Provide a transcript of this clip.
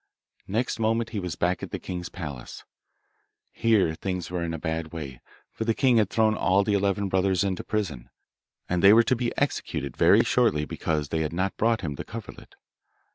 Next moment he was back at the king's palace. Here things were in a bad way, for the king had thrown all the eleven brothers into prison, and they were to be executed very shortly because they had not brought him the coverlet.